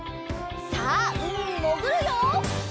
さあうみにもぐるよ！